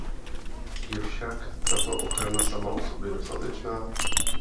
Je však tato ochrana sama o sobě dostatečná?